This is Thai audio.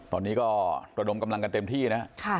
ตอนนี้ก็ระดมกำลังกันเต็มที่นะ